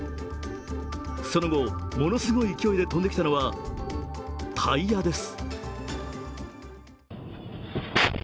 その後、ものすごい勢いで飛んできたのはタイヤです。